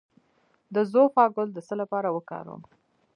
د زوفا ګل د څه لپاره وکاروم؟